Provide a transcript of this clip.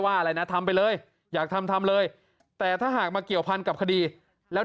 อะไรนะทำไปเลยอยากทำทำเลยแต่ถ้าหากมาเกี่ยวพันกับคดีแล้ว